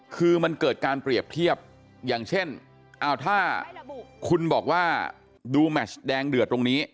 คือมันเกิดการเปรียบเทียบอย่างเช่นถ้าคุณบอกว่าดูแมชแดงเดือดตรงนี้